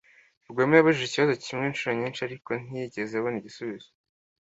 Rwema yabajije ikibazo kimwe inshuro nyinshi, ariko ntiyigeze abona igisubizo.